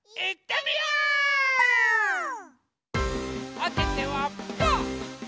おててはパー！